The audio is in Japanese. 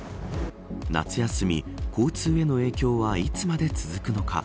夏休み交通への影響はいつまで続くのか。